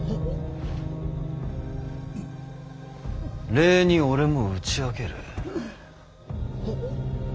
礼に俺も打ち明ける。